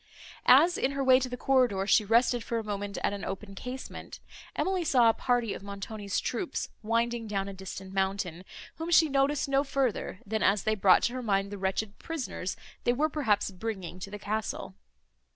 As, in her way to the corridor, she rested for a moment at an open casement, Emily saw a party of Montoni's troops winding down a distant mountain, whom she noticed no further than as they brought to her mind the wretched prisoners they were, perhaps, bringing to the castle.